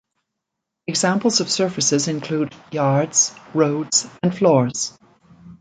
Examples of surfaces include yards, roads, and floors.